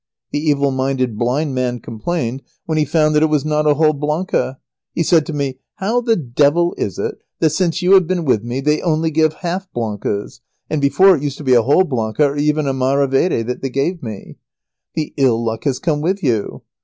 The evil minded blind man complained when he found that it was not a whole "blanca." He said to me: "How the devil is it that since you have been with me they only give half 'blancas,' and before it used to be a whole 'blanca' or even a 'maravedi' that they gave me? The ill luck has come with you."